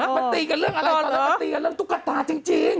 มันตีกันเรื่องอะไรตอนนั้นมันตีกันเรื่องตุ๊กตาจริง